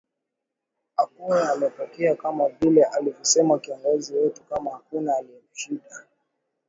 okeo nimepokea kama vile alivyosema kiongozi wetu kama hakuna aliyemshinda